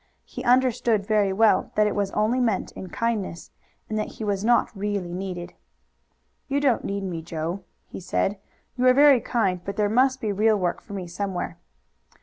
He understood very well that it was only meant in kindness, and that he was not really needed. "You don't need me, Joe," he said. "You are very kind, but there must be real work for me somewhere."